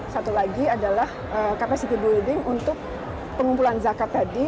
satu lagi adalah capacity building untuk pengumpulan zakat tadi